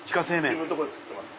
自分のとこで作ってます。